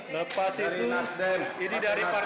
lepas itu ini dari kipp